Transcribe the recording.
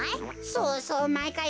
そうそうまいかい